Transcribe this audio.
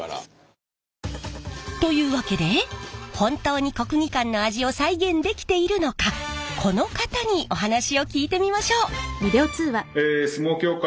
というわけで本当に国技館の味を再現できているのかこの方にお話を聞いてみましょう。